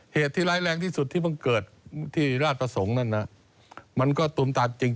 เหตุที่ร้ายแรงที่สุดที่เพิ่งเกิดที่ราชประสงค์นั่นน่ะมันก็ตูมตาจริง